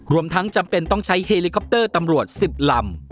รวมทั้งจำเป็นต้องใช้เฮลิคอปเตอร์ตำรวจ๑๐ลำ